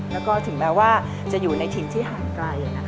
แล้วก็ถึงแม้ว่าจะอยู่ในถิ่นที่ห่างไกล